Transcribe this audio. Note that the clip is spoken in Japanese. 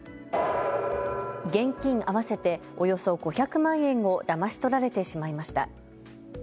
現金合わせておよそ５００万円をだまし取られてしまいました。